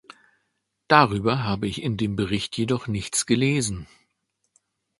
Darüber habe ich in dem Bericht jedoch nichts gelesen.